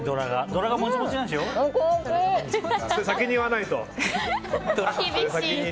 それ、先に言わないと。